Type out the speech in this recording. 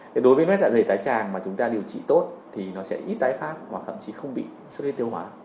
thì đối với mé dạ dày tái tràng mà chúng ta điều trị tốt thì nó sẽ ít tái phát và thậm chí không bị xuất huyết tiêu hóa